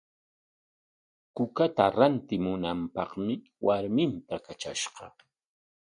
Kukata rantimunapaqmi warminta katrashqa.